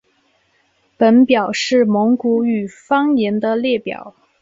本表是蒙古语方言的列表。